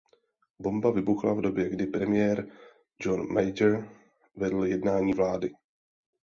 Bomba vybuchla v době kdy premiér John Major vedl jednání vlády.